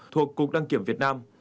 thuộc cục đăng kiểm việt nam